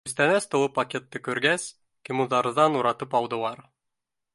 Күстәнәс тулы пакетты күргәс, кемуҙарҙан уратып алдылар.